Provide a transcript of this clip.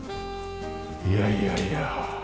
いやいやいや。